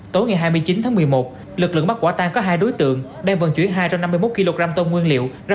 tối ngày hai mươi chín tháng một mươi một lực lượng bắt quả tan có hai đối tượng đang vận chuyển hai trăm năm mươi một kg tôm nguyên liệu